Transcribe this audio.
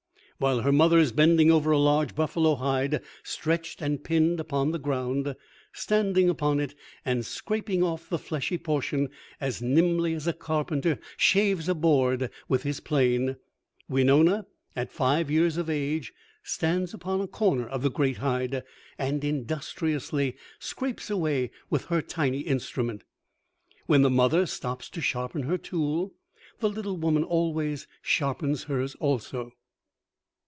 While her mother is bending over a large buffalo hide stretched and pinned upon the ground, standing upon it and scraping off the fleshy portion as nimbly as a carpenter shaves a board with his plane, Winona, at five years of age, stands upon a corner of the great hide and industriously scrapes away with her tiny instrument. When the mother stops to sharpen her tool, the little woman always sharpens hers also.